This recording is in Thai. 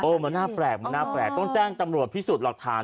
มันน่าแปลกมันน่าแปลกต้องแจ้งตำรวจพิสูจน์หลักฐาน